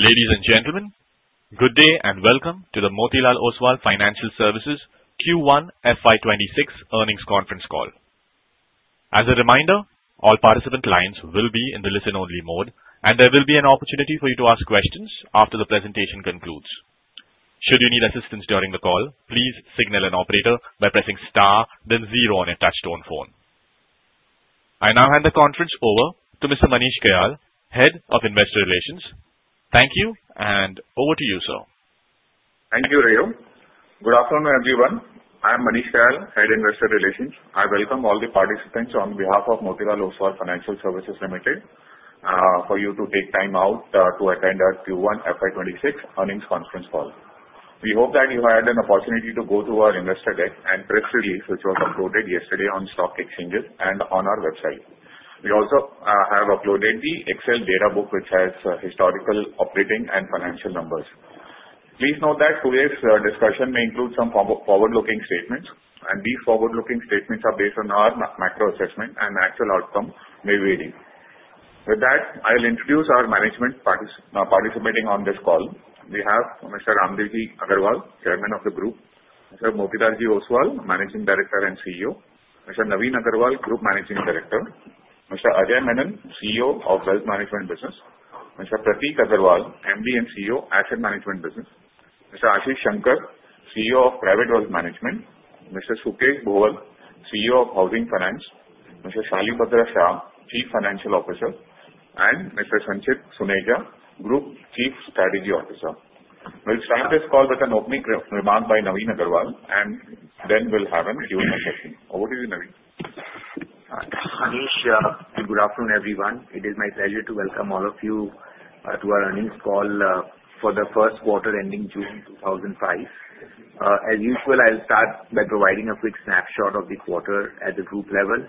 Ladies and gentlemen, good day and welcome to the Motilal Oswal Financial Services Q1 FY26 earnings conference call. As a reminder, all participant lines will be in the listen-only mode, and there will be an opportunity for you to ask questions after the presentation concludes. Should you need assistance during the call, please signal an operator by pressing star, then zero on a touch-tone phone. I now hand the conference over to Mr. Manish Kyal, Head of Investor Relations. Thank you, and over to you, sir. Thank you, Raamdeo. Good afternoon, everyone. I am Manish Kyal, Head of Investor Relations. I welcome all the participants on behalf of Motilal Oswal Financial Services Limited for you to take time out to attend our Q1 FY26 earnings conference call. We hope that you had an opportunity to go to our investor deck and press release, which was uploaded yesterday on stock exchanges and on our website. We also have uploaded the Excel data book, which has historical operating and financial numbers. Please note that today's discussion may include some forward-looking statements, and these forward-looking statements are based on our macro assessment, and the actual outcome may vary. With that, I'll introduce our management participating on this call. We have Mr. Raamdeo Agrawal, Chairman of the Group; Mr. Motilal Oswal, Managing Director and CEO; Mr. Navin Agarwal, Group Managing Director; Mr. Ajay Menon, CEO of Wealth Management Business; Mr. Prateek Agrawal, MD and CEO of Asset Management Business, Mr. Ashish Shankar, CEO of Private Wealth Management, Mr. Sukesh Bhowal, CEO of Housing Finance, Mr. Shalibhadra Shah, Chief Financial Officer, and Mr. Sanket Suneja, Group Chief Strategy Officer. We'll start this call with an opening remark by Navin Agarwal, and then we'll have a Q&A session. Over to you, Navin. Manish, good afternoon, everyone. It is my pleasure to welcome all of you to our earnings call for the first quarter ending June 2025. As usual, I'll start by providing a quick snapshot of the quarter at the group level,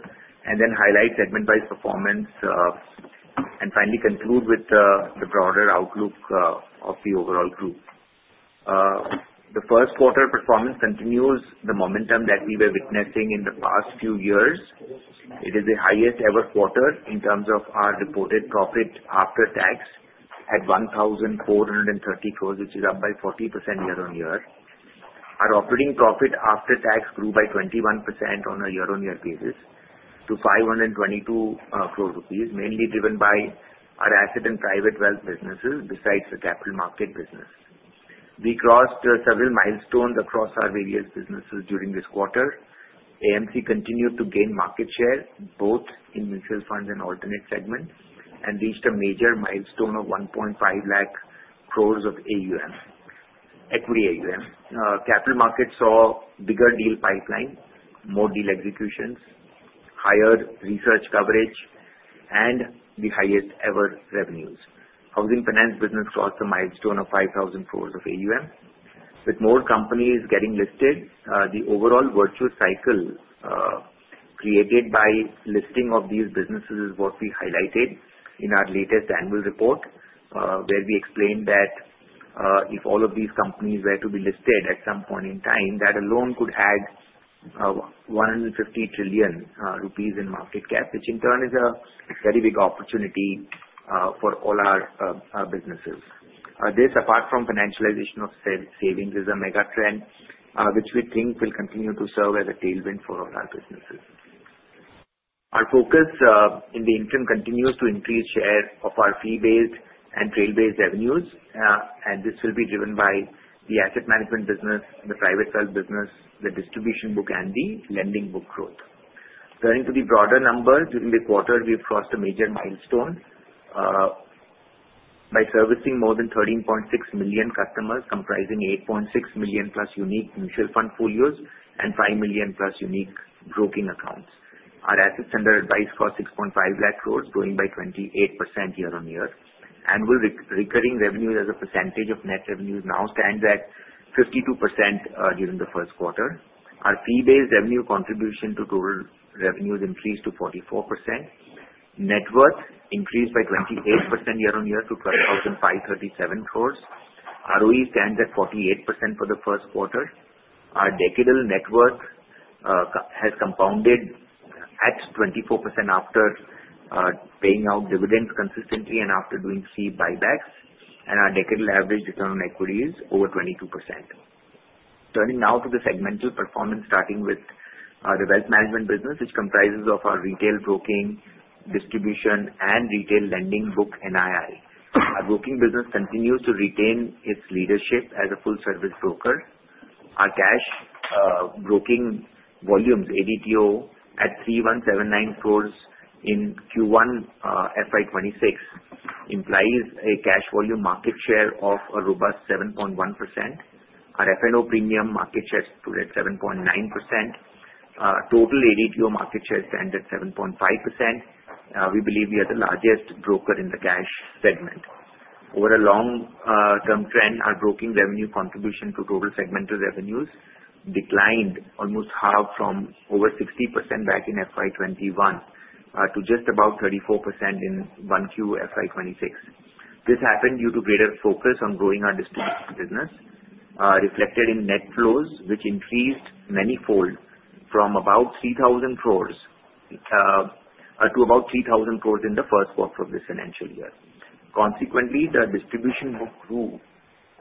and then highlight segment-wise performance, and finally conclude with the broader outlook of the overall group. The first quarter performance continues the momentum that we were witnessing in the past few years. It is the highest-ever quarter in terms of our reported profit after tax at 1,430 crore, which is up by 40% year-on-year. Our operating profit after tax grew by 21% on a year-on-year basis to 522 crore rupees, mainly driven by our asset and private wealth businesses besides the capital market business. We crossed several milestones across our various businesses during this quarter. AMC continued to gain market share both in mutual funds and alternate segments and reached a major milestone of 1.5 lakh crore of equity AUM. Capital markets saw bigger deal pipeline, more deal executions, higher research coverage, and the highest-ever revenues. Housing Finance business crossed the milestone of 5,000 crore of AUM, with more companies getting listed. The overall virtuous cycle created by listing of these businesses is what we highlighted in our latest annual report, where we explained that if all of these companies were to be listed at some point in time, that alone could add 150 trillion rupees in market cap, which in turn is a very big opportunity for all our businesses. This, apart from financialization of savings, is a mega trend which we think will continue to serve as a tailwind for all our businesses. Our focus in the interim continues to increase share of our fee-based and trail-based revenues, and this will be driven by the asset management business, the private wealth business, the distribution book, and the lending book growth. Turning to the broader number, during the quarter, we've crossed a major milestone by servicing more than 13.6 million customers, comprising 8.6 million plus unique mutual fund folios and 5 million plus unique broking accounts. Our assets under advice crossed 6.5 lakh crore, growing by 28% year-on-year. Annual recurring revenues as a percentage of net revenues now stand at 52% during the first quarter. Our fee-based revenue contribution to total revenues increased to 44%. Net worth increased by 28% year-on-year to 12,537 crore. ROE stands at 48% for the first quarter. Our decadal net worth has compounded at 24% after paying out dividends consistently and after doing three buybacks, and our decadal average return on equity is over 22%. Turning now to the segmental performance, starting with the wealth management business, which comprises of our retail broking, distribution, and retail lending book NII. Our broking business continues to retain its leadership as a full-service broker. Our cash broking volumes, ADTO, at 3,179 crore in Q1 FY26, implies a cash volume market share of a robust 7.1%. Our F&O premium market share stood at 7.9%. Total ADTO market share stands at 7.5%. We believe we are the largest broker in the cash segment. Over a long-term trend, our broking revenue contribution to total segmental revenues declined almost half from over 60% back in FY21 to just about 34% in Q1 FY26. This happened due to greater focus on growing our distribution business, reflected in net flows, which increased many-fold from about 3,000 crore to about 3,000 crore in the first quarter of this financial year. Consequently, the distribution book grew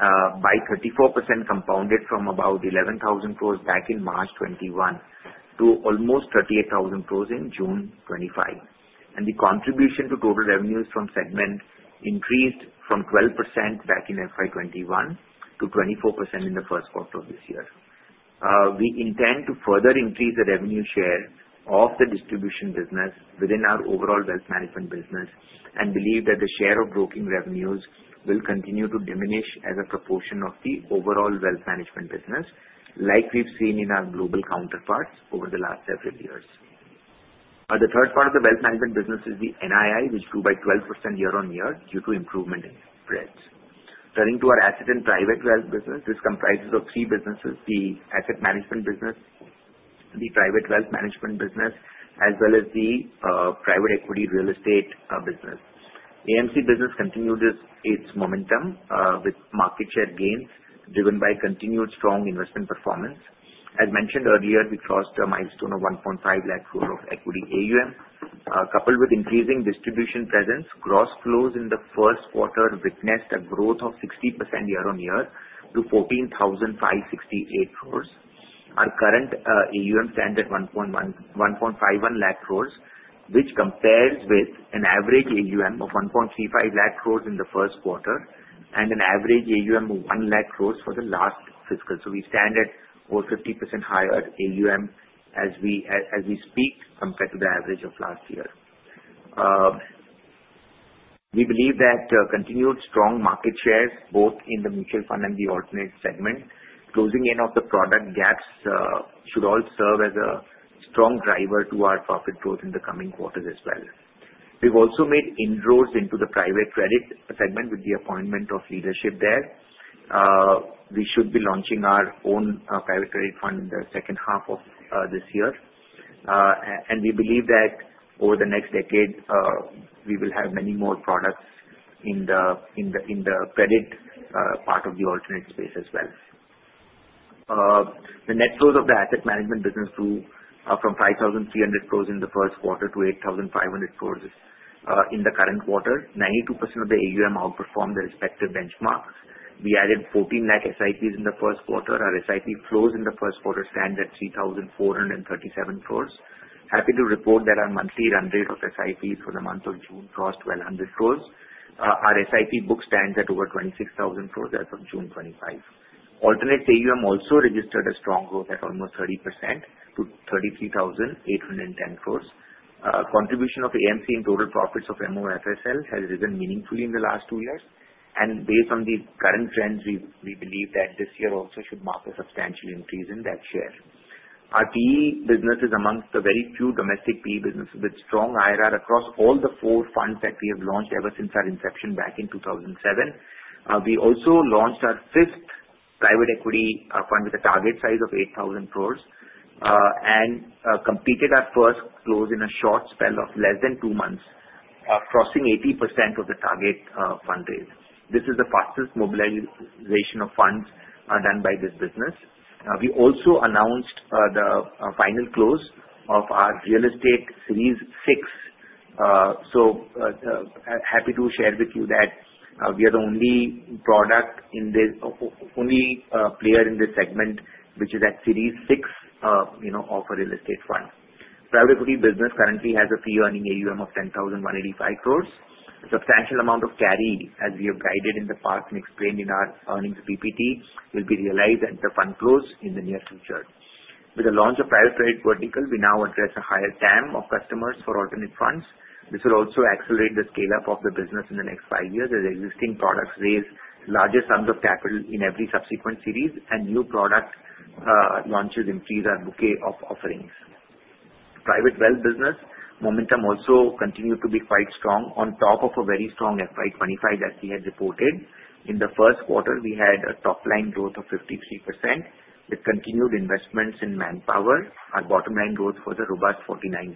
by 34%, compounded from about 11,000 crore back in March 2021 to almost 38,000 crore in June 2025, and the contribution to total revenues from segment increased from 12% back in FY 2021 to 24% in the first quarter of this year. We intend to further increase the revenue share of the distribution business within our overall wealth management business and believe that the share of broking revenues will continue to diminish as a proportion of the overall wealth management business, like we've seen in our global counterparts over the last several years. The third part of the wealth management business is the NII, which grew by 12% year-on-year due to improvement in spreads. Turning to our asset and private wealth business, this comprises of three businesses: the asset management business, the private wealth management business, as well as the private equity real estate business. AMC business continued its momentum with market share gains driven by continued strong investment performance. As mentioned earlier, we crossed a milestone of 1.5 lakh crore of equity AUM. Coupled with increasing distribution presence, gross flows in the first quarter witnessed a growth of 60% year-on-year to 14,568 crore. Our current AUM stands at 1.51 lakh crore, which compares with an average AUM of 1.35 lakh crore in the first quarter and an average AUM of 1 lakh crore for the last fiscal. We stand at over 50% higher AUM as we speak compared to the average of last year. We believe that continued strong market shares both in the mutual fund and the alternative segment, closing in on the product gaps, should all serve as a strong driver to our profit growth in the coming quarters as well. We've also made inroads into the private credit segment with the appointment of leadership there. We should be launching our own private credit fund in the second half of this year. We believe that over the next decade, we will have many more products in the credit part of the alternative space as well. The net flows of the asset management business grew from 5,300 crore in the first quarter to 8,500 crore in the current quarter. 92% of the AUM outperformed the respective benchmarks. We added 14 lakh SIPs in the first quarter. Our SIP flows in the first quarter stand at 3,437 crore. Happy to report that our monthly run rate of SIPs for the month of June crossed 1,200 crore. Our SIP book stands at over 26,000 crore as of June 25. Alternative AUM also registered a strong growth at almost 30% to 33,810 crore. Contribution of AMC in total profits of MOFSL has risen meaningfully in the last two years. And based on the current trends, we believe that this year also should mark a substantial increase in that share. Our PE business is among the very few domestic PE businesses with strong IRR across all the four funds that we have launched ever since our inception back in 2007. We also launched our fifth private equity fund with a target size of 8,000 crore and completed our first close in a short spell of less than two months, crossing 80% of the target fundraise. This is the fastest mobilization of funds done by this business. We also announced the final close of our real estate series six. So happy to share with you that we are the only player in this segment, which is at series six of a real estate fund. Private equity business currently has a fee-earning AUM of 10,185 crore. A substantial amount of carry, as we have guided in the past and explained in our earnings PPT, will be realized at the fund close in the near future. With the launch of private credit vertical, we now address a higher TAM of customers for alternative funds. This will also accelerate the scale-up of the business in the next five years as existing products raise larger sums of capital in every subsequent series, and new product launches increase our bouquet of offerings. Private wealth business momentum also continued to be quite strong on top of a very strong FY25, as we had reported. In the first quarter, we had a top-line growth of 53% with continued investments in manpower. Our bottom-line growth was a robust 49%.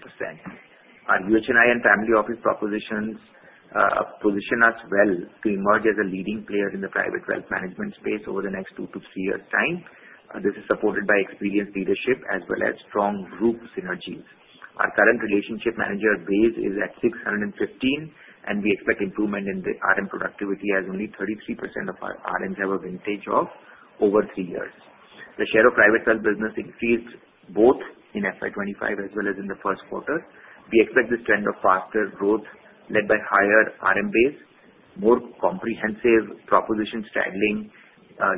Our UHNI and family office propositions position us well to emerge as a leading player in the private wealth management space over the next two to three years' time. This is supported by experienced leadership as well as strong group synergies. Our current relationship manager base is at ₹615, and we expect improvement in the RM productivity as only 33% of our RMs have a vintage of over three years. The share of private wealth business increased both in FY25 as well as in the first quarter. We expect this trend of faster growth led by higher RM base, more comprehensive propositions straddling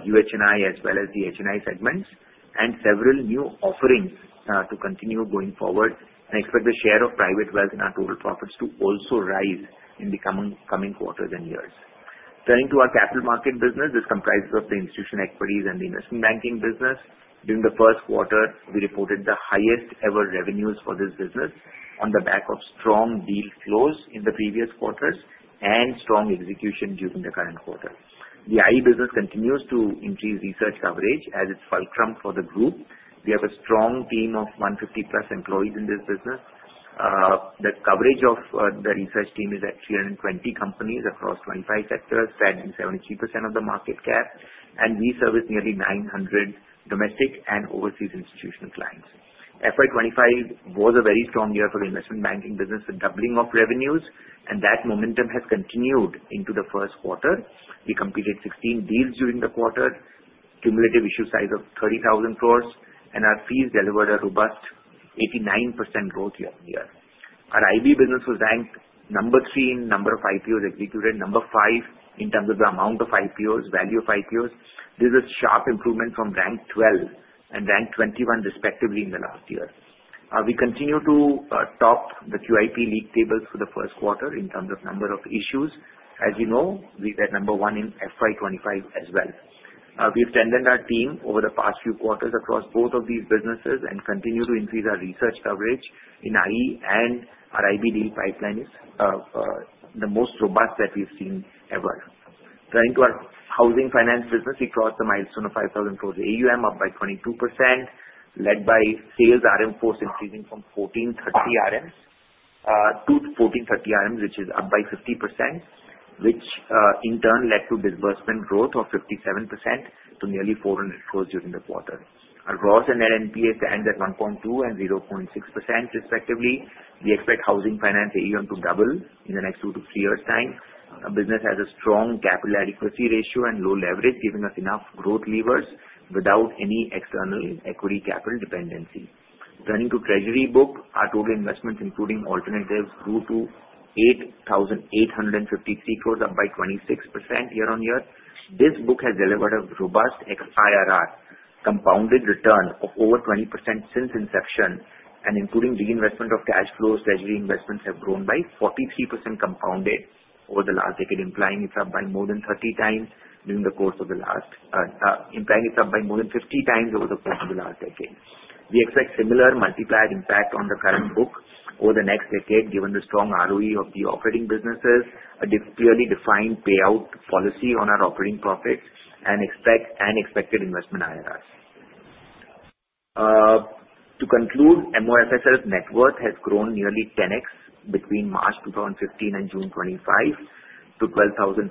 UHNI as well as the HNI segments, and several new offerings to continue going forward, and I expect the share of private wealth in our total profits to also rise in the coming quarters and years. Turning to our capital market business, this comprises of the institutional equities and the investment banking business. During the first quarter, we reported the highest-ever revenues for this business on the back of strong deal flows in the previous quarters and strong execution during the current quarter. The IE business continues to increase research coverage as its fulcrum for the group. We have a strong team of 150-plus employees in this business. The coverage of the research team is at 320 companies across 25 sectors, spanning 73% of the market cap, and we service nearly 900 domestic and overseas institutional clients. FY25 was a very strong year for the investment banking business with doubling of revenues, and that momentum has continued into the first quarter. We completed 16 deals during the quarter, cumulative issue size of ₹30,000 crore, and our fees delivered a robust 89% growth year-on-year. Our IB business was ranked number three in number of IPOs executed, number five in terms of the amount of IPOs, value of IPOs. This is a sharp improvement from rank 12 and rank 21, respectively, in the last year. We continue to top the QIP league tables for the first quarter in terms of number of issues. As you know, we were number one in FY25 as well. We've strengthened our team over the past few quarters across both of these businesses and continue to increase our research coverage in IE, and our IB deal pipeline is the most robust that we've seen ever. Turning to our housing finance business, we crossed the milestone of 5,000 crore AUM, up by 22%, led by sales RM force increasing from 1,430 RMs to 1,430 RMs, which is up by 50%, which in turn led to disbursement growth of 57% to nearly 400 crore during the quarter. Our ROA and NNPA stand at 1.2 and 0.6%, respectively. We expect housing finance AUM to double in the next two to three years' time. Our business has a strong capital adequacy ratio and low leverage, giving us enough growth levers without any external equity capital dependency. Turning to treasury book, our total investments, including alternatives, grew to 8,853 crore, up by 26% year-on-year. This book has delivered a robust IRR, compounded return of over 20% since inception, and including reinvestment of cash flows, treasury investments have grown by 43% compounded over the last decade, implying it's up by more than 50 times over the course of the last decade. We expect similar multiplier impact on the current book over the next decade, given the strong ROE of the operating businesses, a clearly defined payout policy on our operating profits, and expected investment IRRs. To conclude, MOFSL's net worth has grown nearly 10X between March 2015 and June 2025 to 12,537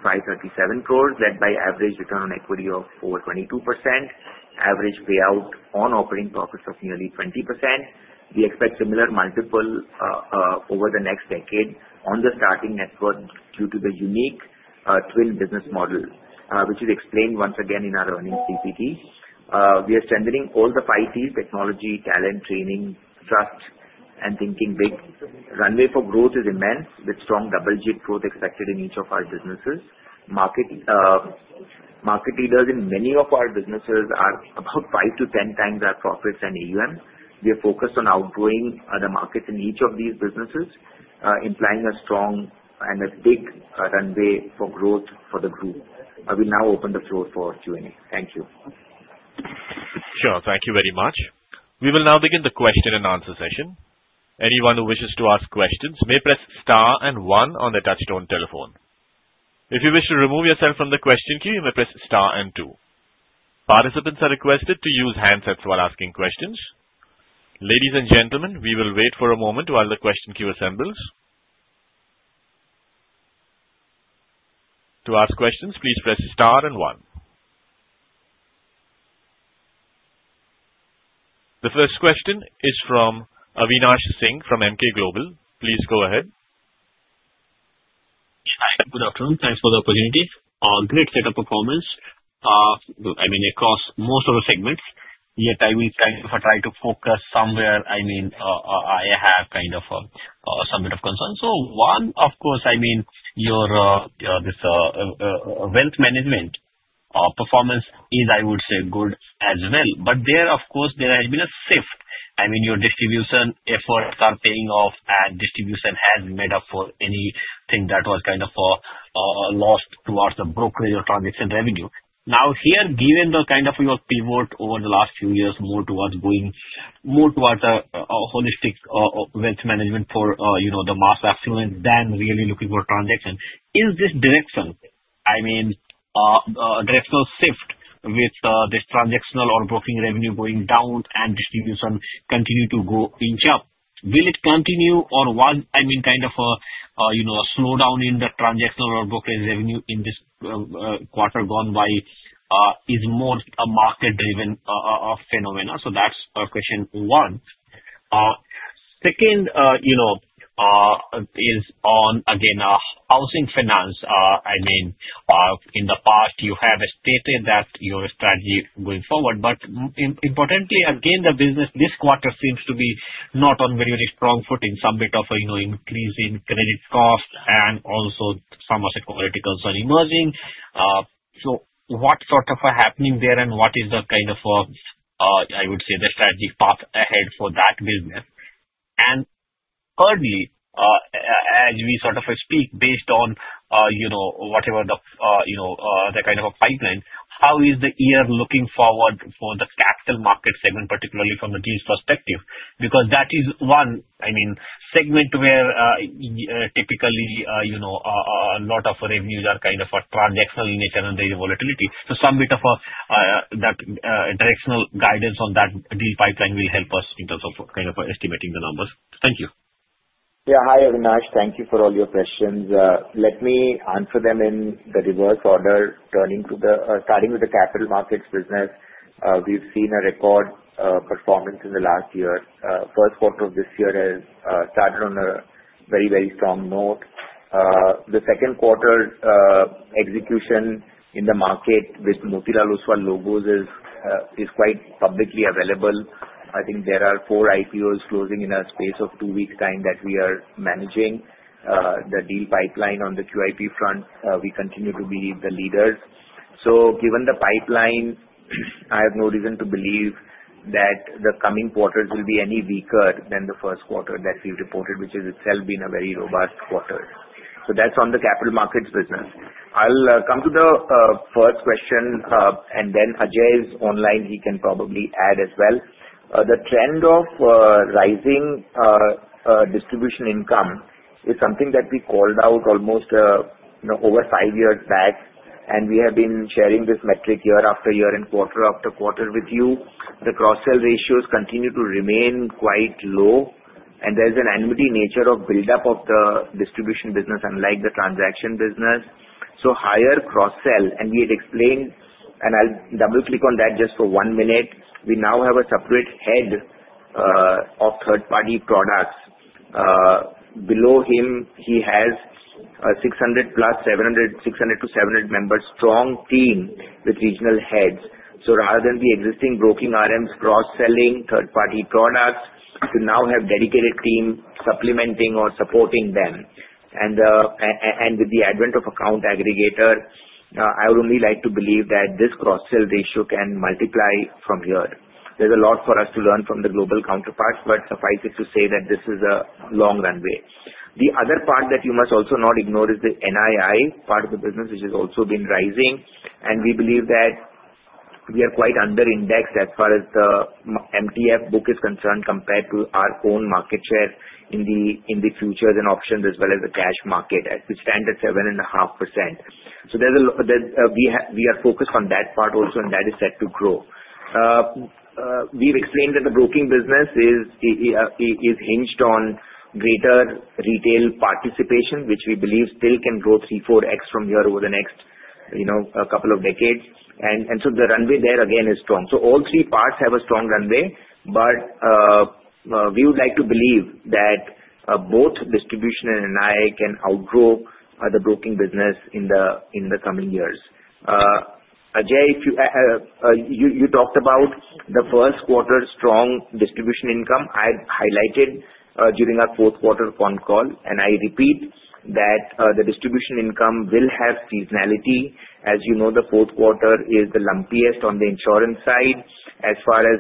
crore, led by average return on equity of over 22%, average payout on operating profits of nearly 20%. We expect similar multiples over the next decade on the starting net worth due to the unique twin business model, which is explained once again in our earnings PPT. We are strengthening all the five teams: technology, talent, training, trust, and thinking big. Runway for growth is immense, with strong double-digit growth expected in each of our businesses. Market leaders in many of our businesses are about 5 to 10 times our profits and AUM. We are focused on outgrowing the markets in each of these businesses, implying a strong and a big runway for growth for the group. I will now open the floor for Q&A. Thank you. Sure. Thank you very much. We will now begin the question and answer session. Anyone who wishes to ask questions may press Star and 1 on the touch-tone telephone. If you wish to remove yourself from the question queue, you may press Star and 2. Participants are requested to use handsets while asking questions. Ladies and gentlemen, we will wait for a moment while the question queue assembles. To ask questions, please press Star and 1. The first question is from Avinash Singh from Emkay Global. Please go ahead. Hi. Good afternoon. Thanks for the opportunity. Great set of performance, I mean, across most of the segments. Yet, I will try to focus somewhere. I mean, I have kind of a subject of concern. So one, of course, I mean, your wealth management performance is, I would say, good as well. But there, of course, there has been a shift. I mean, your distribution efforts are paying off, and distribution has made up for anything that was kind of lost towards the brokerage or transaction revenue. Now, here, given the kind of your pivot over the last few years more towards going more towards a holistic wealth management for the mass affluent than really looking for transaction, is this direction, I mean, a directional shift with this transactional or brokering revenue going down and distribution continue to go inch up? Will it continue, or was, I mean, kind of a slowdown in the transactional or brokerage revenue in this quarter gone by is more a market-driven phenomena? So that's question one. Second is on, again, housing finance. I mean, in the past, you have stated that your strategy going forward. But importantly, again, the business this quarter seems to be not on very, very strong footing, subject to increasing credit costs and also some asset quality issues emerging. So what sort of happening there, and what is the kind of, I would say, the strategic path ahead for that business? And thirdly, as we sort of speak based on whatever the kind of a pipeline, how is the year looking forward for the capital market segment, particularly from a deal perspective? Because that is one, I mean, segment where typically a lot of revenues are kind of a transactional in nature and there is volatility. So some bit of that directional guidance on that deal pipeline will help us in terms of kind of estimating the numbers. Thank you. Yeah. Hi, Avinash. Thank you for all your questions. Let me answer them in the reverse order, starting with the capital markets business. We've seen a record performance in the last year. First quarter of this year has started on a very, very strong note. The second quarter execution in the market with Motilal Oswal logos is quite publicly available. I think there are four IPOs closing in a space of two weeks' time that we are managing the deal pipeline on the QIP front. We continue to be the leaders. So given the pipeline, I have no reason to believe that the coming quarters will be any weaker than the first quarter that we've reported, which has itself been a very robust quarter. So that's on the capital markets business. I'll come to the first question, and then Ajay is online. He can probably add as well. The trend of rising distribution income is something that we called out almost over five years back, and we have been sharing this metric year after year and quarter after quarter with you. The cross-sell ratios continue to remain quite low, and there's an annuity nature of build-up of the distribution business, unlike the transaction business, so higher cross-sell, and we had explained, and I'll double-click on that just for one minute. We now have a separate head of third-party products. Below him, he has 600-plus, 600- to 700-member strong team with regional heads, so rather than the existing broking RMs cross-selling third-party products, we now have a dedicated team supplementing or supporting them, and with the advent of Account Aggregator, I would only like to believe that this cross-sell ratio can multiply from here. There's a lot for us to learn from the global counterparts, but suffice it to say that this is a long runway. The other part that you must also not ignore is the NII part of the business, which has also been rising, and we believe that we are quite under-indexed as far as the MTF book is concerned compared to our own market share in the futures and options as well as the cash market at the standard 7.5%. So we are focused on that part also, and that is set to grow. We've explained that the broking business is hinged on greater retail participation, which we believe still can grow three, four X from here over the next couple of decades. And so the runway there, again, is strong. So all three parts have a strong runway, but we would like to believe that both distribution and NII can outgrow the broking business in the coming years. Ajay, you talked about the first quarter strong distribution income. I highlighted during our fourth quarter phone call, and I repeat that the distribution income will have seasonality. As you know, the fourth quarter is the lumpiest on the insurance side. As far as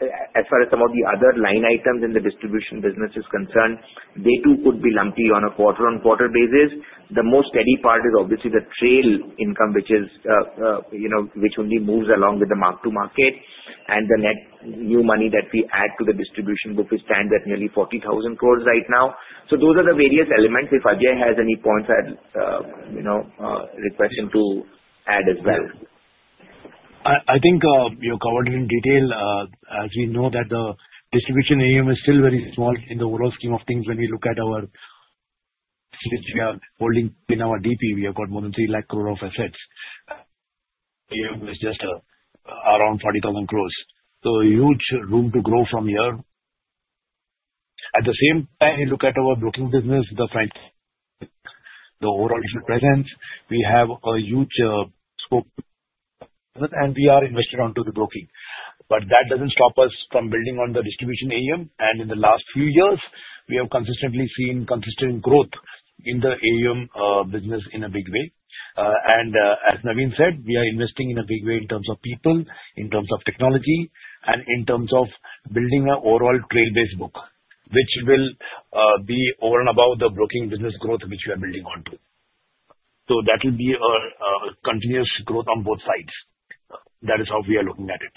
some of the other line items in the distribution business is concerned, they too could be lumpy on a quarter-on-quarter basis. The most steady part is obviously the trail income, which only moves along with the mark-to-market, and the net new money that we add to the distribution book is stands at nearly 40,000 crores right now. So those are the various elements. If Ajay has any points, I'd request him to add as well. I think you covered it in detail. As we know, the distribution AUM is still very small in the overall scheme of things. When we look at our holding in our DP, we have got more than 3 lakh crore of assets. AUM is just around 40,000 crores. So huge room to grow from here. At the same time, you look at our broking business, the overall presence, we have a huge scope, and we are invested onto the broking. But that doesn't stop us from building on the distribution AUM. And in the last few years, we have consistently seen consistent growth in the AUM business in a big way. And as Navin said, we are investing in a big way in terms of people, in terms of technology, and in terms of building an overall trail-based book, which will be all about the broking business growth, which we are building onto. So that will be a continuous growth on both sides. That is how we are looking at it.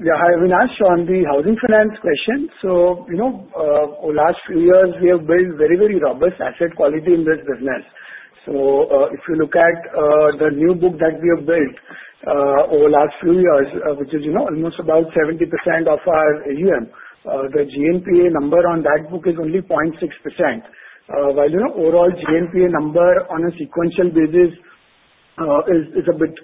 Yeah. Hi, Avinash, on the housing finance question. So over the last few years, we have built very, very robust asset quality in this business. So if you look at the new book that we have built over the last few years, which is almost about 70% of our AUM, the GNPA number on that book is only 0.6%, while overall GNPA number on a sequential basis is a bit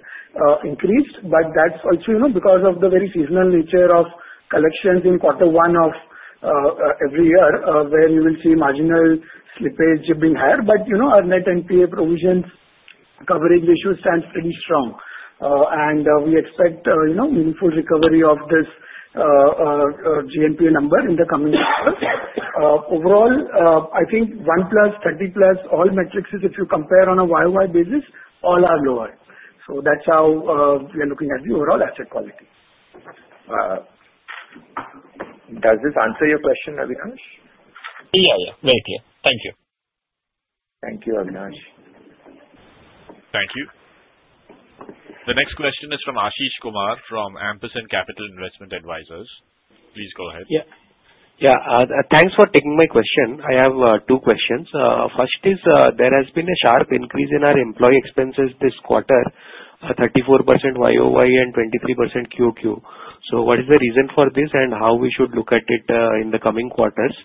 increased. But that's also because of the very seasonal nature of collections in quarter one of every year, where you will see marginal slippage being higher. But our net NPA provision coverage issue stands pretty strong, and we expect meaningful recovery of this GNPA number in the coming years. Overall, I think 1 plus, 30 plus, all metrics, if you compare on a YOY basis, all are lower. So that's how we are looking at the overall asset quality. Does this answer your question, Avinash? Yeah, yeah. Very clear. Thank you. Thank you, Avinash. Thank you. The next question is from Ashish Kumar from Ampersand Capital Investment Advisors. Please go ahead. Yeah. Yeah. Thanks for taking my question. I have two questions. First is, there has been a sharp increase in our employee expenses this quarter, 34% YOY and 23% QOQ. So what is the reason for this and how we should look at it in the coming quarters?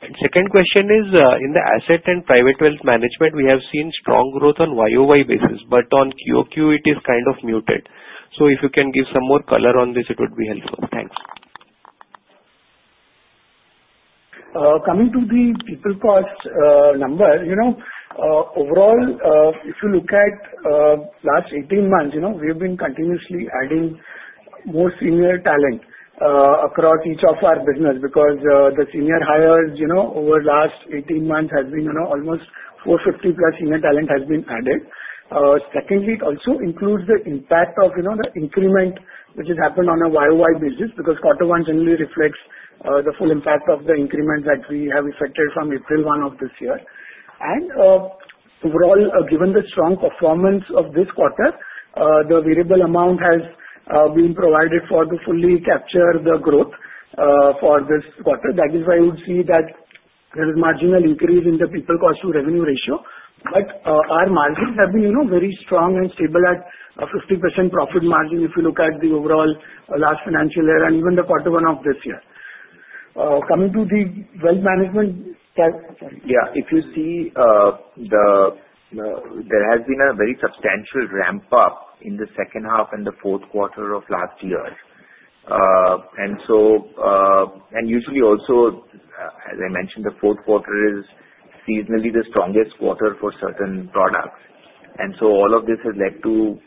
And second question is, in the asset and private wealth management, we have seen strong growth on YOY basis, but on QOQ, it is kind of muted. So if you can give some more color on this, it would be helpful. Thanks. Coming to the people cost number, overall, if you look at last 18 months, we have been continuously adding more senior talent across each of our business because the senior hires over the last 18 months has been almost 450 plus senior talent has been added. Secondly, it also includes the impact of the increment which has happened on a YOY basis because quarter one generally reflects the full impact of the increment that we have effected from April 1 of this year, and overall, given the strong performance of this quarter, the variable amount has been provided for to fully capture the growth for this quarter. That is why you would see that there is marginal increase in the people cost to revenue ratio, but our margins have been very strong and stable at 50% profit margin if you look at the overall last financial year and even the quarter one of this year. Coming to the wealth management, Yeah, if you see there has been a very substantial ramp-up in the second half and the fourth quarter of last year. And usually also, as I mentioned, the fourth quarter is seasonally the strongest quarter for certain products. And so all of this has led to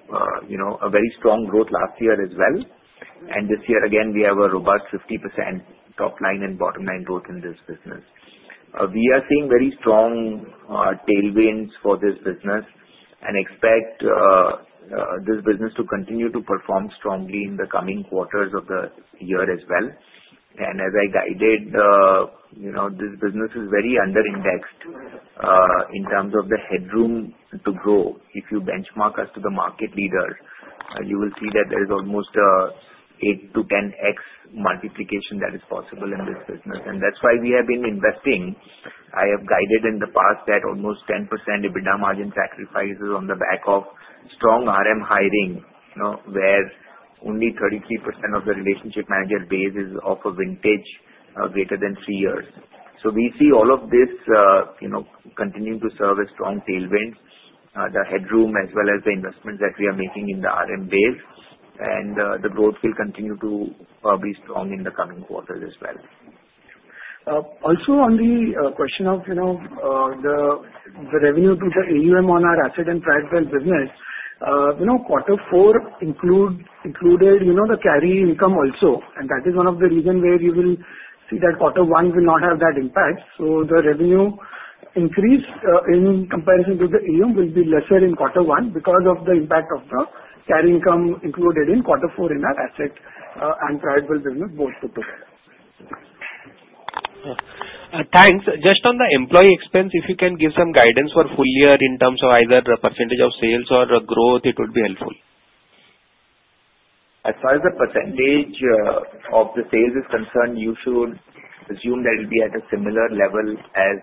a very strong growth last year as well. And this year, again, we have a robust 50% top line and bottom line growth in this business. We are seeing very strong tailwinds for this business and expect this business to continue to perform strongly in the coming quarters of the year as well. And as I guided, this business is very under-indexed in terms of the headroom to grow. If you benchmark us to the market leaders, you will see that there is almost an 8-10X multiplication that is possible in this business. And that's why we have been investing. I have guided in the past that almost 10% EBITDA margin sacrifices on the back of strong RM hiring, where only 33% of the relationship manager base is of a vintage greater than three years. So we see all of this continuing to serve as strong tailwinds, the headroom as well as the investments that we are making in the RM base, and the growth will continue to be strong in the coming quarters as well. Also, on the question of the revenue to the AUM on our asset and private wealth business, quarter four included the carry income also, and that is one of the reasons where you will see that quarter one will not have that impact. So the revenue increase in comparison to the AUM will be lesser in quarter one because of the impact of the carry income included in quarter four in our asset and private wealth business both put together. Thanks. Just on the employee expense, if you can give some guidance for full year in terms of either the percentage of sales or growth, it would be helpful. As far as the percentage of the sales is concerned, you should assume that it will be at a similar level as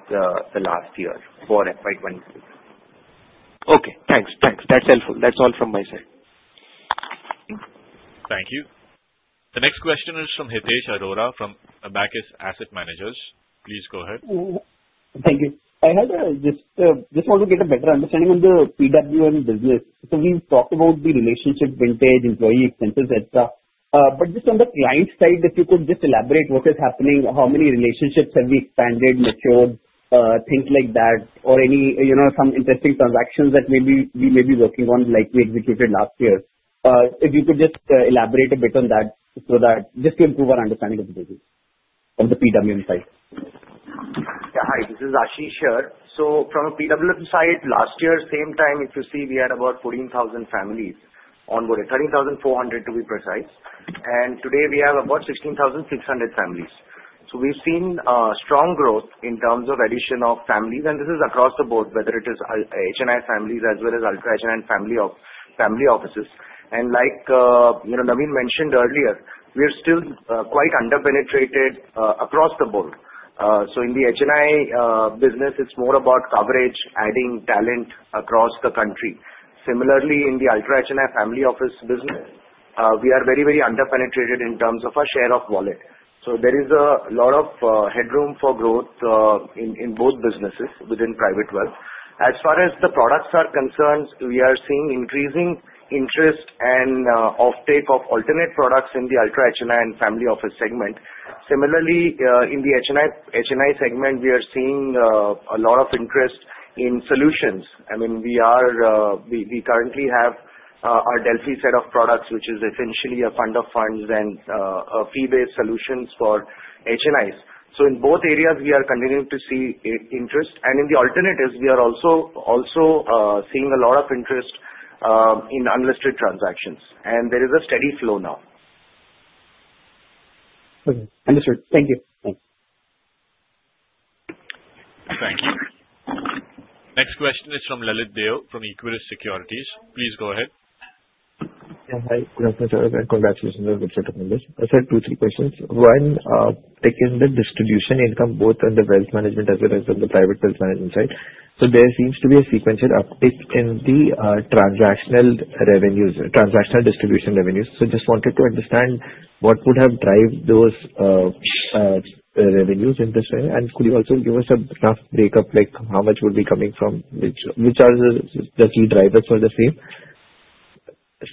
the last year for FY26. Okay. Thanks. Thanks. That's helpful. That's all from my side. Thank you. The next question is from Hitesh Arora from Abakkus Asset Managers. Please go ahead. Thank you. I just want to get a better understanding on the PWM business. So we've talked about the relationship, vintage, employee expenses, etc. But just on the client side, if you could just elaborate what is happening, how many relationships have we expanded, matured, things like that, or some interesting transactions that we may be working on like we executed last year. If you could just elaborate a bit on that so that just to improve our understanding of the business on the PWM side. Yeah. Hi, this is Ashish here. So from a PWM side, last year, same time, if you see, we had about 14,000 families on board, 30,400 to be precise. And today, we have about 16,600 families. So we've seen strong growth in terms of addition of families, and this is across the board, whether it is HNI families as well as ultra HNI family offices. And like Navin mentioned earlier, we are still quite under-penetrated across the board. So in the HNI business, it's more about coverage, adding talent across the country. Similarly, in the ultra HNI family office business, we are very, very under-penetrated in terms of our share of wallet. So there is a lot of headroom for growth in both businesses within private wealth. As far as the products are concerned, we are seeing increasing interest and offtake of alternate products in the ultra HNI and family office segment. Similarly, in the HNI segment, we are seeing a lot of interest in solutions. I mean, we currently have our Alpha set of products, which is essentially a fund of funds and fee-based solutions for HNIs. So in both areas, we are continuing to see interest. And in the alternatives, we are also seeing a lot of interest in unlisted transactions, and there is a steady flow now. Okay. Understood. Thank you. Thanks. Thank you. Next question is from Lalit Deo from Equirus Securities. Please go ahead. Yeah. Hi. Congratulations on the success of the conversation. I'll say two, three questions. One, taking the distribution income both on the wealth management as well as on the private wealth management side, so there seems to be a sequential uptake in the transactional distribution revenues. So I just wanted to understand what would have driven those revenues in this way, and could you also give us a rough breakdown, like how much would be coming from which are the key drivers for the same?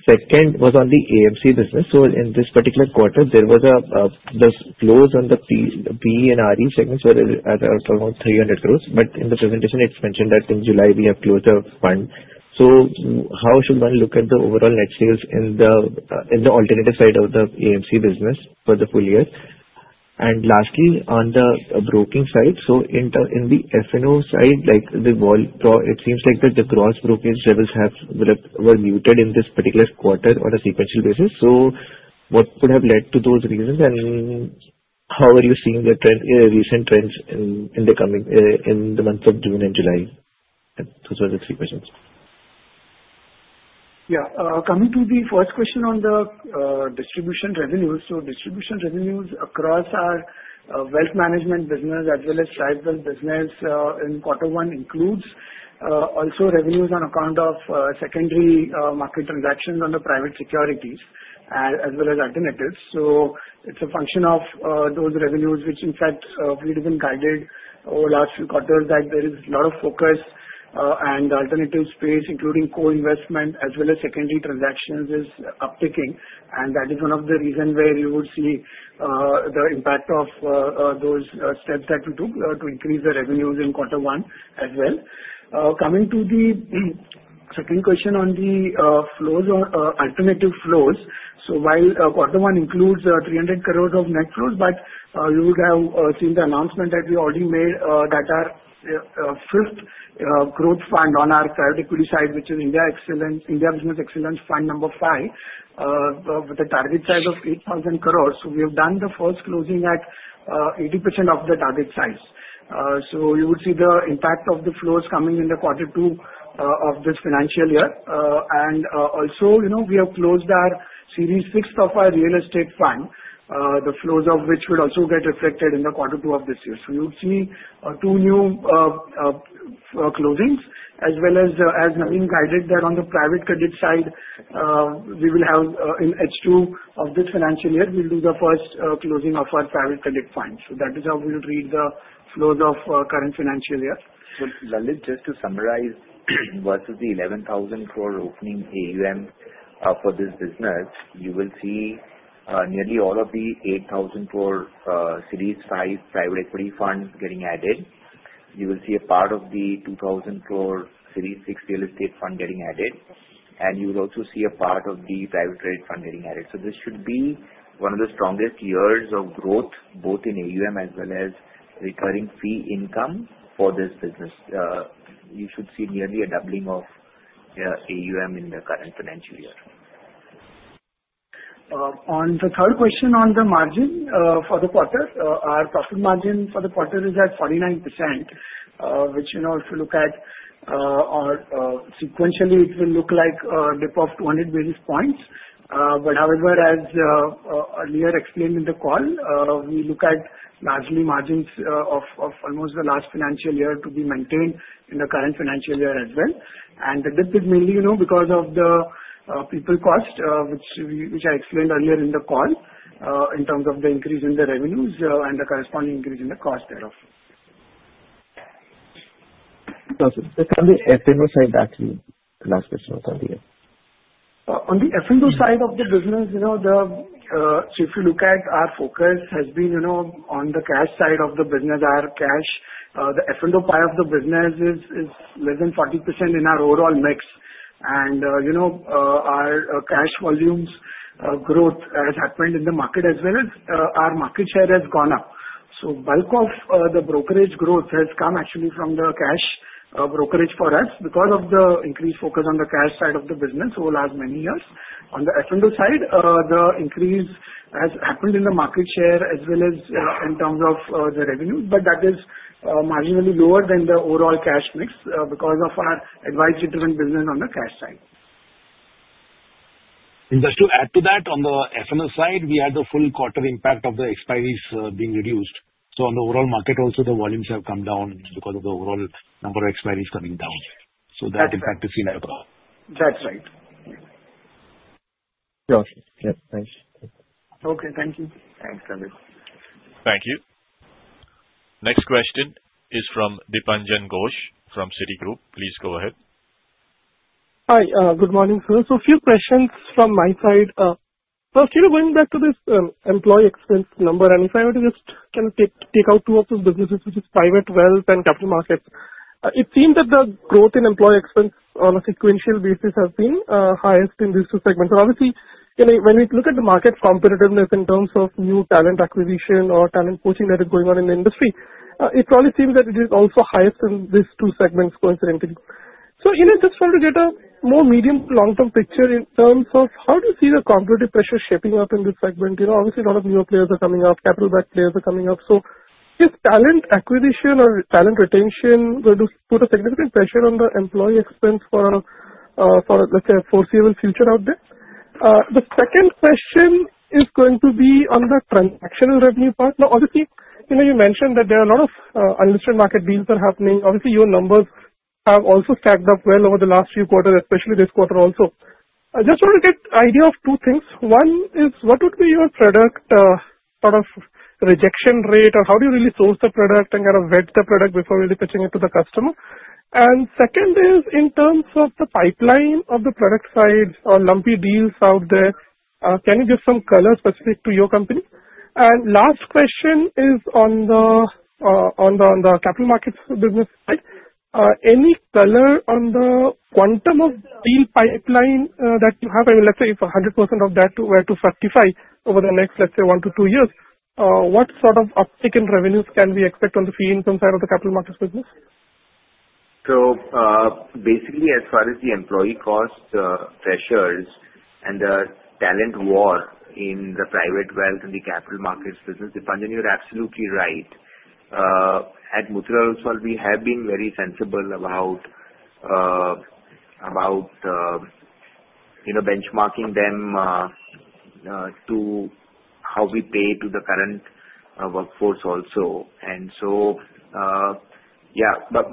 Second was on the AMC business. So in this particular quarter, there was a close on the PE and RE segments at around 300 crores, but in the presentation, it's mentioned that in July, we have closed the fund. So how should one look at the overall net sales in the alternative side of the AMC business for the full year? And lastly, on the broking side, so in the F&O side, it seems like that the gross brokerage levels were muted in this particular quarter on a sequential basis. So what would have led to those reasons, and how are you seeing the recent trends in the months of June and July? Those are the three questions. Yeah. Coming to the first question on the distribution revenues, so distribution revenues across our wealth management business as well as private wealth business in quarter one includes also revenues on account of secondary market transactions on the private securities as well as alternatives. So it's a function of those revenues, which in fact we've even guided over the last few quarters that there is a lot of focus and alternative space, including co-investment as well as secondary transactions is upticking, and that is one of the reasons where you would see the impact of those steps that we took to increase the revenues in quarter one as well. Coming to the second question on the alternative flows, so while quarter one includes 300 crores of net flows, but you would have seen the announcement that we already made that our fifth growth fund on our private equity side, which is India Business Excellence Fund number five, with a target size of 8,000 crores, we have done the first closing at 80% of the target size, so you would see the impact of the flows coming in the quarter two of this financial year, and also, we have closed our series sixth of our real estate fund, the flows of which would also get reflected in the quarter two of this year, so you would see two new closings, as well as Navin guided that on the private credit side, we will have in H2 of this financial year, we'll do the first closing of our private credit fund. That is how we would read the flows of current financial year. Lalit, just to summarize, versus the 11,000 crore opening AUM for this business, you will see nearly all of the 8,000 crore series five private equity funds getting added. You will see a part of the 2,000 crore series six real estate fund getting added, and you will also see a part of the private credit fund getting added. This should be one of the strongest years of growth both in AUM as well as recurring fee income for this business. You should see nearly a doubling of AUM in the current financial year. On the third question on the margin for the quarter, our profit margin for the quarter is at 49%, which if you look at sequentially, it will look like a dip of 200 basis points. However, as earlier explained in the call, we look at largely margins of almost the last financial year to be maintained in the current financial year as well. The dip is mainly because of the people cost, which I explained earlier in the call in terms of the increase in the revenues and the corresponding increase in the cost thereof. Perfect. On the F&O side, Ashley, the last question was on the F&O. On the F&O side of the business, so if you look at our focus has been on the cash side of the business, our cash, the F&O pie of the business is less than 40% in our overall mix. Our cash volumes growth has happened in the market as well as our market share has gone up. So bulk of the brokerage growth has come actually from the cash brokerage for us because of the increased focus on the cash side of the business over the last many years. On the F&O side, the increase has happened in the market share as well as in terms of the revenue, but that is marginally lower than the overall cash mix because of our advisory-driven business on the cash side. And just to add to that, on the F&O side, we had the full quarter impact of the expiries being reduced. So on the overall market, also the volumes have come down because of the overall number of expiries coming down. So that impact is seen across. That's right. Gotcha. Yep. Thanks. Okay. Thank you. Thanks, Lalit. Thank you. Next question is from Dipanjan Ghosh from Citigroup. Please go ahead. Hi. Good morning, sir. So a few questions from my side. First, going back to this employee expense number, and if I were to just take out two of those businesses, which is private wealth and capital markets, it seems that the growth in employee expense on a sequential basis has been highest in these two segments. And obviously, when we look at the market competitiveness in terms of new talent acquisition or talent poaching that is going on in the industry, it probably seems that it is also highest in these two segments, coincidentally. So just trying to get a more medium to long-term picture in terms of how do you see the competitive pressure shaping up in this segment? Obviously, a lot of newer players are coming up, capital-backed players are coming up. Is talent acquisition or talent retention going to put a significant pressure on the employee expense for, let's say, a foreseeable future out there? The second question is going to be on the transactional revenue part. Now, obviously, you mentioned that there are a lot of unlisted market deals that are happening. Obviously, your numbers have also stacked up well over the last few quarters, especially this quarter also. I just want to get an idea of two things. One is, what would be your product sort of rejection rate, or how do you really source the product and kind of vet the product before really pitching it to the customer? And second is, in terms of the pipeline of the product side or lumpy deals out there, can you give some colors specific to your company? And last question is on the capital markets business side. Any color on the quantum of the deal pipeline that you have? I mean, let's say if 100% of that were to fructify over the next, let's say, one to two years, what sort of uptake in revenues can we expect on the fee-income side of the capital markets business? So basically, as far as the employee cost pressures and the talent war in the private wealth and the capital markets business, Dipanjan, you're absolutely right. At Motilal Oswal, we have been very sensible about benchmarking them to how we pay to the current workforce also. And so, yeah. But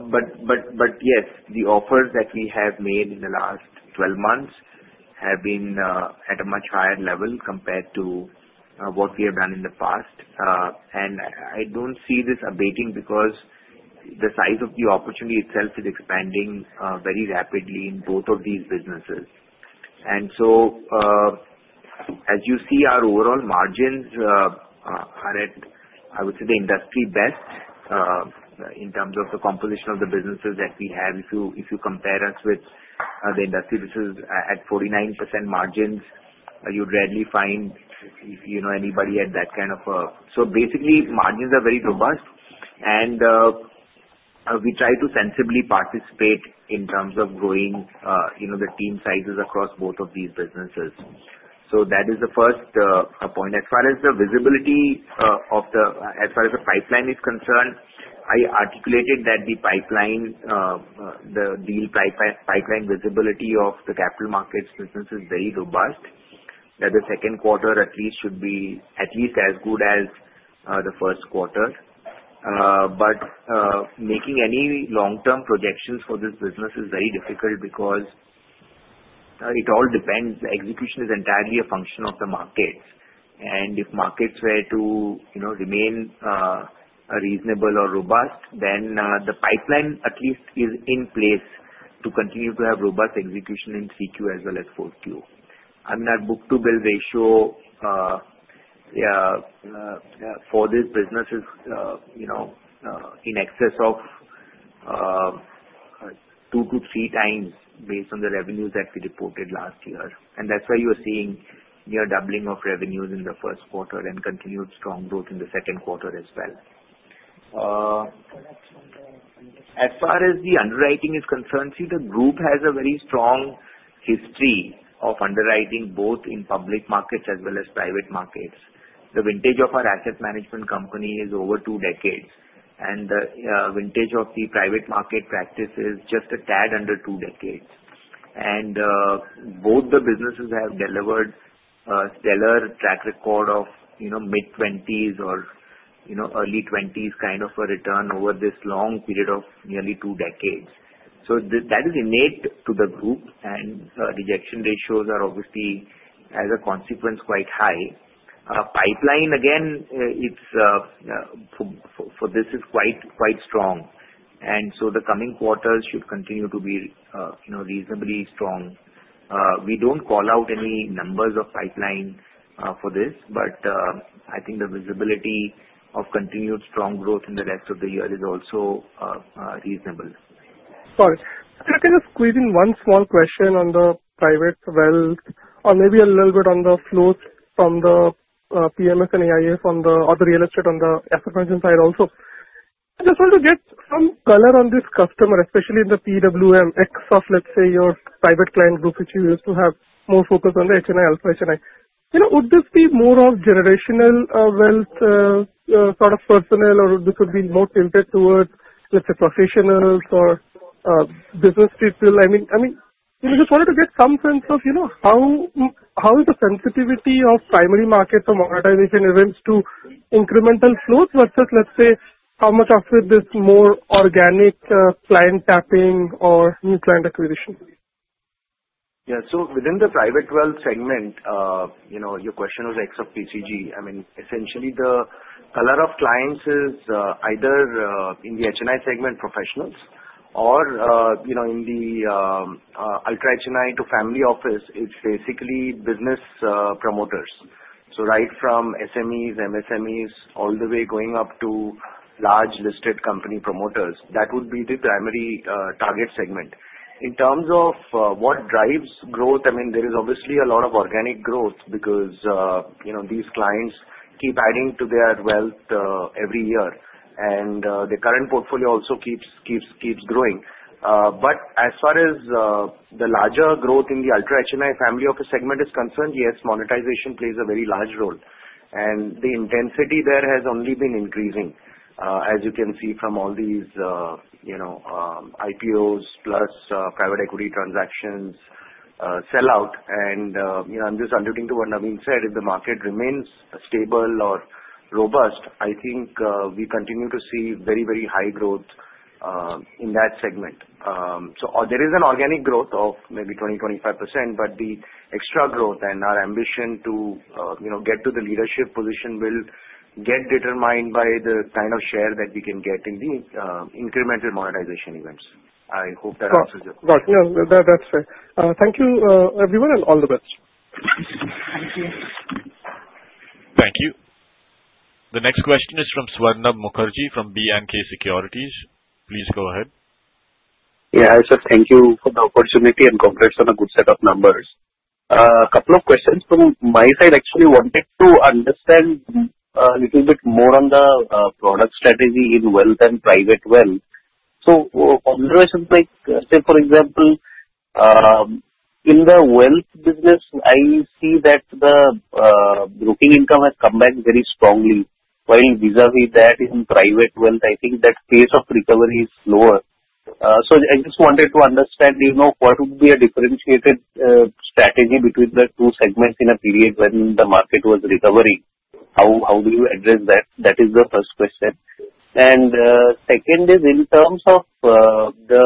yes, the offers that we have made in the last 12 months have been at a much higher level compared to what we have done in the past. And I don't see this abating because the size of the opportunity itself is expanding very rapidly in both of these businesses. As you see, our overall margins are at, I would say, the industry best in terms of the composition of the businesses that we have. If you compare us with the industry, this is at 49% margins. You'd rarely find anybody at that kind of a, so basically, margins are very robust, and we try to sensibly participate in terms of growing the team sizes across both of these businesses. That is the first point. As far as the pipeline is concerned, I articulated that the deal pipeline visibility of the capital markets business is very robust, that the second quarter at least should be at least as good as the first quarter. Making any long-term projections for this business is very difficult because it all depends. Execution is entirely a function of the markets. And if markets were to remain reasonable or robust, then the pipeline at least is in place to continue to have robust execution in 3Q as well as 4Q. I mean, our book-to-bill ratio for this business is in excess of two to three times based on the revenues that we reported last year. And that's why you are seeing near doubling of revenues in the first quarter and continued strong growth in the second quarter as well. As far as the underwriting is concerned, see, the group has a very strong history of underwriting both in public markets as well as private markets. The vintage of our asset management company is over two decades, and the vintage of the private market practice is just a tad under two decades. Both the businesses have delivered a stellar track record of mid-20s or early 20s kind of a return over this long period of nearly two decades. So that is innate to the group, and rejection ratios are obviously, as a consequence, quite high. Pipeline, again, for this is quite strong. So the coming quarters should continue to be reasonably strong. We don't call out any numbers of pipeline for this, but I think the visibility of continued strong growth in the rest of the year is also reasonable. Sorry. I'm going to kind of squeeze in one small question on the private wealth or maybe a little bit on the flows from the PMS and AIF on the real estate on the asset management side also. I just want to get some color on this customer, especially in the PWM ex of, let's say, your private client group, which you used to have more focus on the HNI, Alpha HNI. Would this be more of generational wealth sort of personnel, or would this be more tilted towards, let's say, professionals or business people? I mean, I just wanted to get some sense of how is the sensitivity of primary market for monetization events to incremental flows versus, let's say, how much off with this more organic client tapping or new client acquisition? Yeah. So within the private wealth segment, your question was ex of PCG. I mean, essentially, the color of clients is either in the HNI segment, professionals, or in the UHNI to family office, it's basically business promoters. So right from SMEs, MSMEs, all the way going up to large listed company promoters, that would be the primary target segment. In terms of what drives growth, I mean, there is obviously a lot of organic growth because these clients keep adding to their wealth every year, and the current portfolio also keeps growing. But as far as the larger growth in the UHNI family office segment is concerned, yes, monetization plays a very large role. And the intensity there has only been increasing, as you can see from all these IPOs plus private equity transactions sell-out. And I'm just alluding to what Navin said. If the market remains stable or robust, I think we continue to see very, very high growth in that segment. So there is an organic growth of maybe 20%-25%, but the extra growth and our ambition to get to the leadership position will get determined by the kind of share that we can get in the incremental monetization events. I hope that answers your question. Gotcha. That's fair. Thank you, everyone, and all the best. Thank you. Thank you. The next question is from Swarnabha Mukherjee from B&K Securities. Please go ahead. Yeah. I just thank you for the opportunity and congrats on a good set of numbers. A couple of questions from my side. Actually, I wanted to understand a little bit more on the product strategy in wealth and private wealth. So on the résumé, say, for example, in the wealth business, I see that the broking income has come back very strongly, while vis-à-vis that in private wealth, I think that pace of recovery is slower. So I just wanted to understand what would be a differentiated strategy between the two segments in a period when the market was recovering. How do you address that? That is the first question. And second is, in terms of the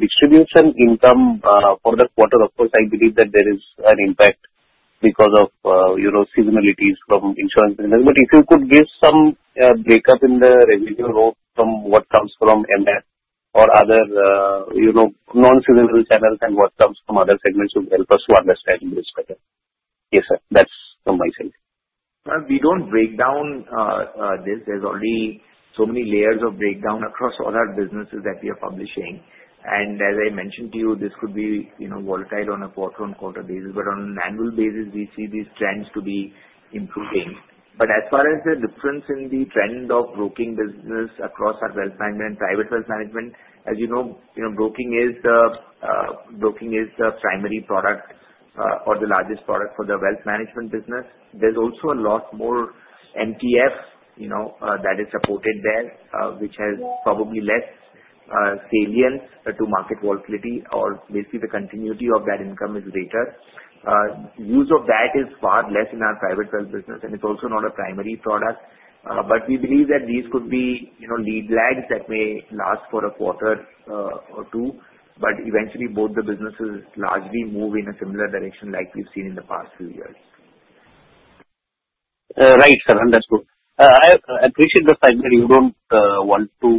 distribution income for the quarter, of course, I believe that there is an impact because of seasonalities from insurance business. But if you could give some breakup in the revenue growth from what comes from MF or other non-seasonal channels and what comes from other segments would help us to understand this better. Yes, sir. That's from my side. We don't break down this. There's already so many layers of breakdown across all our businesses that we are publishing, and as I mentioned to you, this could be volatile on a quarter-on-quarter basis, but on an annual basis, we see these trends to be improving, but as far as the difference in the trend of broking business across our Wealth Management and Private Wealth Management, as you know, broking is the primary product or the largest product for the Wealth Management business. There's also a lot more MTF that is supported there, which has probably less salience to market volatility, or basically, the continuity of that income is greater. Use of that is far less in our Private Wealth business, and it's also not a primary product. But we believe that these could be lead lags that may last for a quarter or two, but eventually, both the businesses largely move in a similar direction like we've seen in the past few years. Right, sir. Understood. I appreciate the fact that you don't want to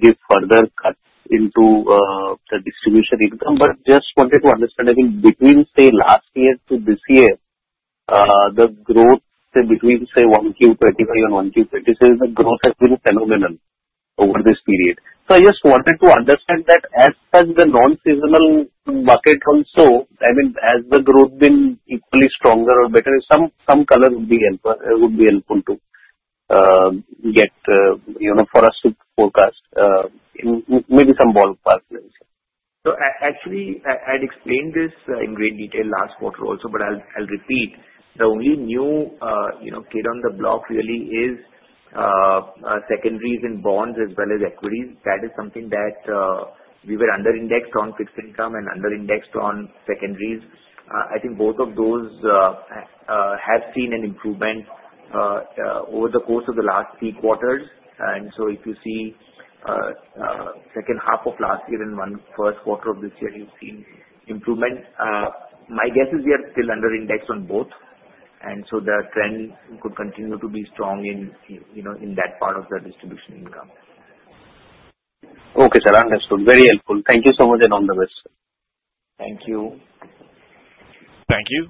give further cuts into the distribution income, but just wanted to understand, I think, between, say, last year to this year, the growth, say, between, say, 1Q25 and 1Q26, the growth has been phenomenal over this period, so I just wanted to understand that as such the non-seasonal market also, I mean, has the growth been equally stronger or better. Some color would be helpful to get for us to forecast maybe some ballpark, so actually, I'd explained this in great detail last quarter also, but I'll repeat. The only new kid on the block really is secondaries in bonds as well as equities. That is something that we were under-indexed on fixed income and under-indexed on secondaries. I think both of those have seen an improvement over the course of the last three quarters. And so if you see second half of last year and one first quarter of this year, you've seen improvement. My guess is we are still under-indexed on both. And so the trend could continue to be strong in that part of the distribution income. Okay, sir. Understood. Very helpful. Thank you so much and all the best, sir. Thank you. Thank you.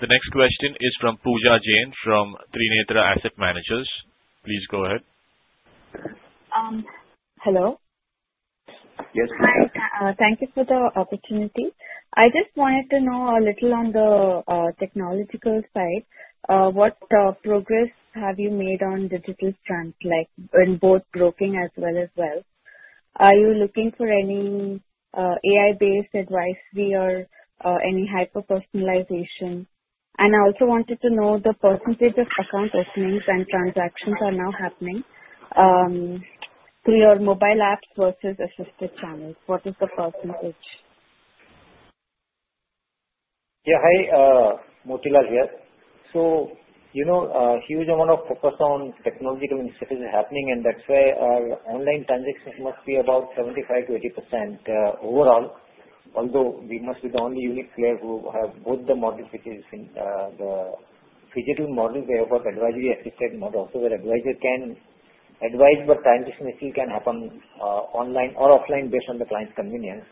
The next question is from Pooja Jain from Trinetra Asset Managers. Please go ahead. Hello. Yes, please. Hi. Thank you for the opportunity. I just wanted to know a little on the technological side. What progress have you made on digital strength in both broking as well as wealth? Are you looking for any AI-based advice or any hyper-personalization? And I also wanted to know the percentage of account openings and transactions are now happening through your mobile apps versus assisted channels. What is the percentage? Yeah. Hi. Motilal here. So a huge amount of focus on technological initiatives is happening, and that's why our online transactions must be about 75%-80% overall, although we must be the only unique player who have both the models which is in the physical models. We have got advisory-assisted models where advisor can advise, but transaction still can happen online or offline based on the client's convenience.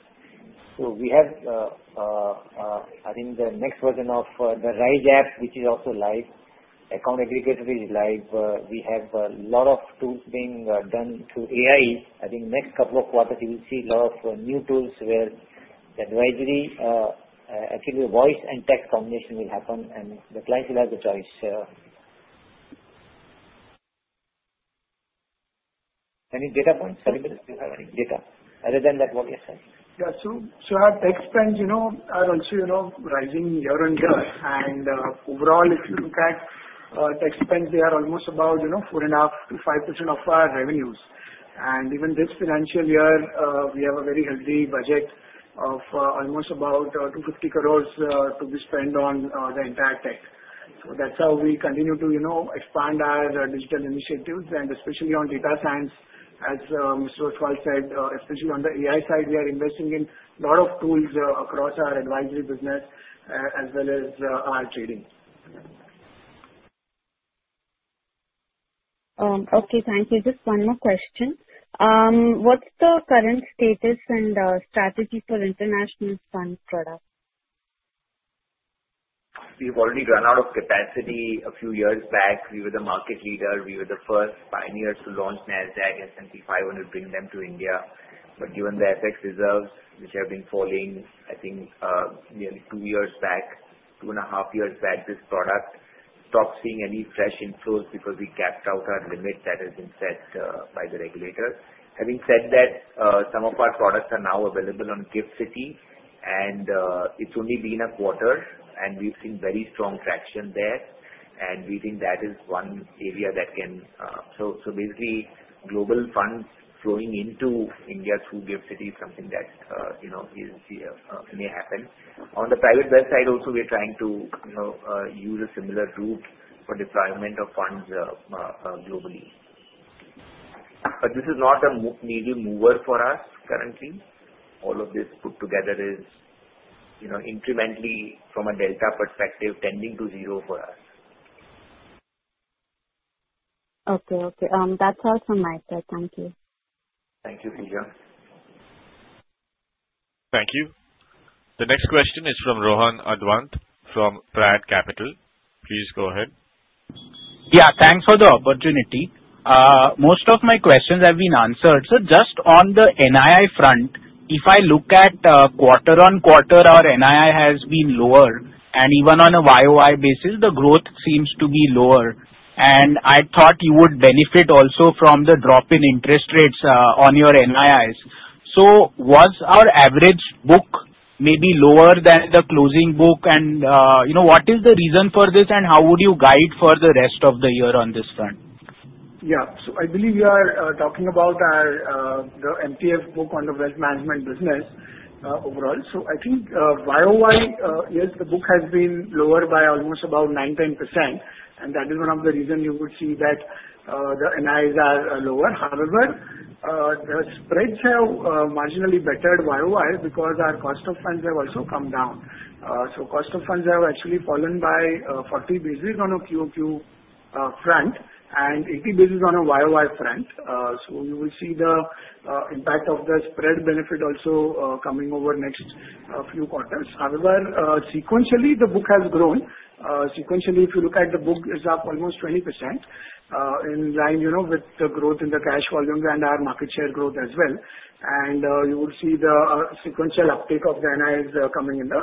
So we have, I think, the next version of the MO Investor app, which is also live. Account Aggregator is live. We have a lot of tools being done through AI. I think next couple of quarters, you will see a lot of new tools where the advisory, actually, the voice and text combination will happen, and the client will have the choice. Any data points? Sorry, do you have any data? Other than that, what you're saying? Yeah. So our tech spend are also rising year on year. And overall, if you look at tech spend, they are almost about 4.5%-5% of our revenues. And even this financial year, we have a very healthy budget of almost about 250 crores to be spent on the entire tech. So that's how we continue to expand our digital initiatives, and especially on data science, as Mr. Oswal said, especially on the AI side, we are investing in a lot of tools across our advisory business as well as our trading. Okay. Thank you. Just one more question. What's the current status and strategy for international fund products? We've already run out of capacity a few years back. We were the market leader. We were the first pioneers to launch Nasdaq, S&P 500, bring them to India. But given the FX reserves, which have been falling, I think, nearly two years back, two and a half years back, this product stopped seeing any fresh inflows because we capped out our limit that has been set by the regulator. Having said that, some of our products are now available on GIFT City, and it's only been a quarter, and we've seen very strong traction there. We think that is one area that can, so basically, global funds flowing into India through GIFT City is something that may happen. On the private wealth side also, we're trying to use a similar route for deployment of funds globally. But this is not a major mover for us currently. All of this put together is incrementally, from a delta perspective, tending to zero for us. Okay. Okay. That's all from my side. Thank you. Thank you, Pooja. Thank you. The next question is from Rohan Advant from Prad Capital. Please go ahead. Yeah. Thanks for the opportunity. Most of my questions have been answered. Just on the NII front, if I look at quarter-on-quarter, our NII has been lower, and even on a YoY basis, the growth seems to be lower. And I thought you would benefit also from the drop in interest rates on your NIIs. So was our average book maybe lower than the closing book? And what is the reason for this, and how would you guide for the rest of the year on this front? Yeah. So I believe we are talking about the MTF book on the wealth management business overall. So I think YoY, yes, the book has been lower by almost about 9-10%, and that is one of the reasons you would see that the NIIs are lower. However, the spreads have marginally bettered YoY because our cost of funds have also come down. So cost of funds have actually fallen by 40 basis points on a QoQ front and 80 basis points on a YoY front. So you will see the impact of the spread benefit also coming over next few quarters. However, sequentially, the book has grown. Sequentially, if you look at the book, it's up almost 20% in line with the growth in the cash volumes and our market share growth as well. You will see the sequential uptake of the NIIs coming in the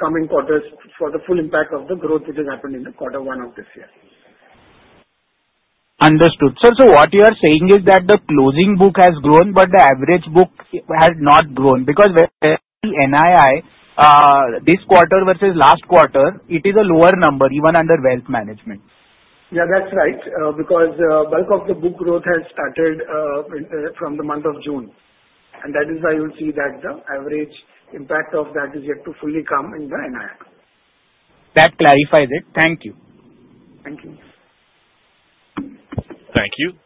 coming quarters for the full impact of the growth which has happened in the quarter one of this year. Understood. Sir, so what you are saying is that the closing book has grown, but the average book has not grown because the NII this quarter versus last quarter, it is a lower number even under wealth management. Yeah, that's right because bulk of the book growth has started from the month of June. That is why you'll see that the average impact of that is yet to fullycome in the NII. That clarifies it. Thank you. Thank you. Thank you.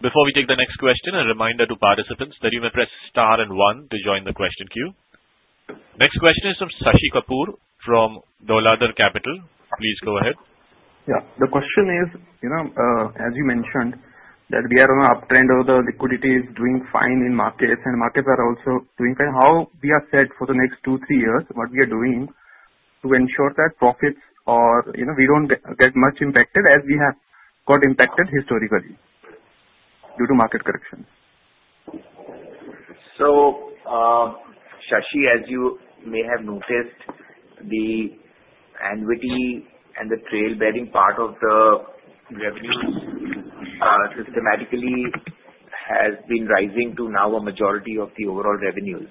Before we take the next question, a reminder to participants that you may press star and one to join the question queue. Next question is from Shashi Kapoor from Dolat Capital. Please go ahead. Yeah. The question is, as you mentioned, that we are on an uptrend or the liquidity is doing fine in markets and markets are also doing fine. How we are set for the next two, three years, what we are doing to ensure that profits or we don't get much impacted as we have got impacted historically due to market corrections. So Shashi, as you may have noticed, the annuity and the trail-bearing part of the revenues systematically has been rising to now a majority of the overall revenues.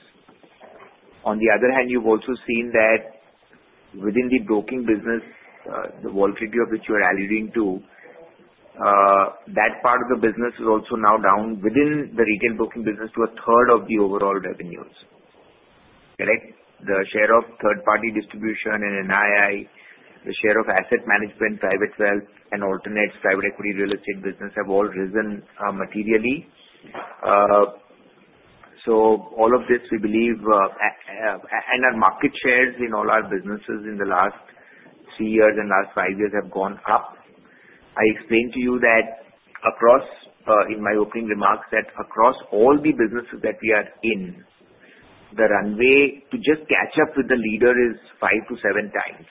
On the other hand, you've also seen that within the broking business, the volatility of which you are alluding to, that part of the business is also now down within the retail broking business to a third of the overall revenues. Correct? The share of third-party distribution and NII, the share of asset management, private wealth, and alternatives private equity real estate business have all risen materially. So all of this, we believe, and our market shares in all our businesses in the last three years and last five years have gone up. I explained to you that across in my opening remarks that across all the businesses that we are in, the runway to just catch up with the leader is five to seven times.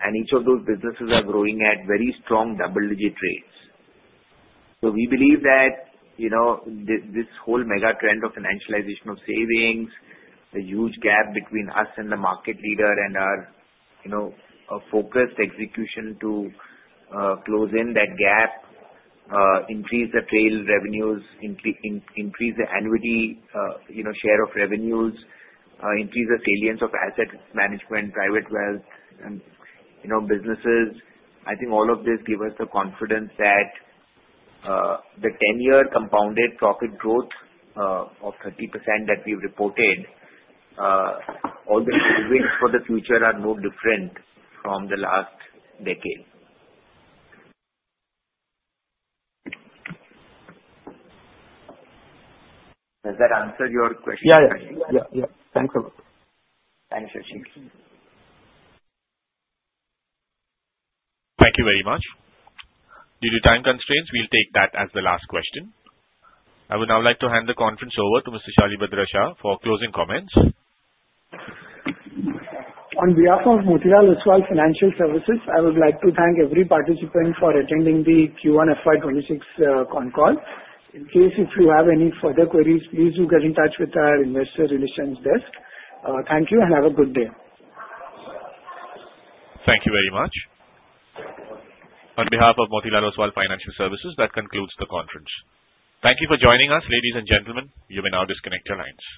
And each of those businesses are growing at very strong double-digit rates. So we believe that this whole mega trend of financialization of savings, the huge gap between us and the market leader and our focused execution to close in that gap, increase the trail revenues, increase the annuity share of revenues, increase the salience of asset management, private wealth, and businesses. I think all of this gives us the confidence that the 10-year compounded profit growth of 30% that we've reported, all the savings for the future are no different from the last decade. Does that answer your question? Yeah. Yeah. Yeah. Yeah. Thanks a lot. Thanks, Shashi. Thank you very much. Due to time constraints, we'll take that as the last question. I would now like to hand the conference over to Mr. Shalibhadra Shah for closing comments. On behalf of Motilal Oswal Financial Services, I would like to thank every participant for attending the Q1FY26 con call. In case you have any further queries, please do get in touch with our investor relations desk. Thank you and have a good day. Thank you very much. On behalf of Motilal Oswal Financial Services, that concludes the conference. Thank you for joining us, ladies and gentlemen. You may now disconnect your lines.